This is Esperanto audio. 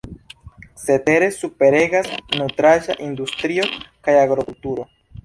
Cetere superregas nutraĵa industrio kaj agrokulturo.